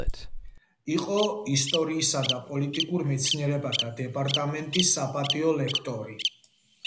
იყო ისტორიისა და პოლიტიკურ მეცნიერებათა დეპარტამენტის საპატიო ლექტორი.